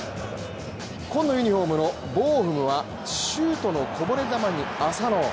紺のユニフォームのボーフムはシュートのこぼれ球に浅野。